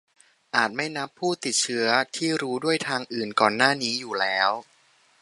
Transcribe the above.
- อาจไม่นับผู้ติดเชื้อที่รู้ด้วยทางอื่นก่อนหน้านี้อยู่แล้ว